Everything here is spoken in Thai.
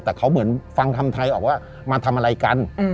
แต่เขาเหมือนฟังคำไทยออกว่ามาทำอะไรกัน